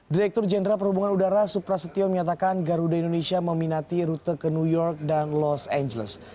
direktur jenderal perhubungan udara suprasetyo menyatakan garuda indonesia meminati rute ke new york dan los angeles